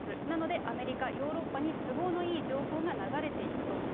なのでアメリカ、ヨーロッパに都合のいい情報が流れていくと。